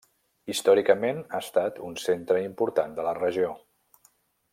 Històricament ha estat un centre important de la regió.